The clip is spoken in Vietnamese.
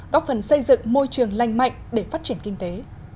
góp phần xây dựng môi trường lành mạnh để phát triển kinh tế